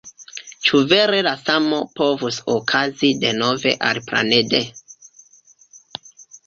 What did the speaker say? Ĉu vere la samo povus okazi denove, aliplanede?